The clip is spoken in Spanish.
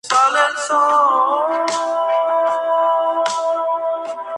Aún no debuta en Primera División.